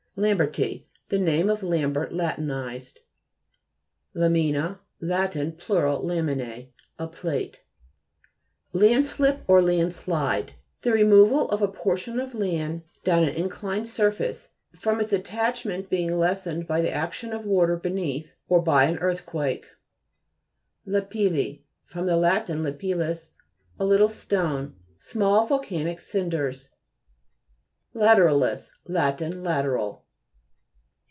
LAMBE'RTI The name of Lambert latinized. LA'MINA Lat. Plur. laminae. A plate. LANDSLIP or LANESLIDE. The re moval of a portion of land down GLOSSARY. GEOLOGY. an inclined surface, from its at tachment being lessened by the ac tion of water beneath, or by an earthquake. LAPI'LLI fr. lat. lapillus, a little stone. Small volcanic cinders. LATERA'LIS Lat. Lateral.